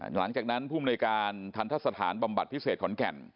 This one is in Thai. หลังจากนั้นภูมิในการทันทะสถานบำบัดพิเศษขอนแก่น